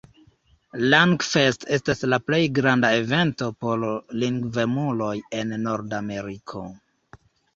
Langfest estas la plej granda evento por lingvemuloj en Nordameriko.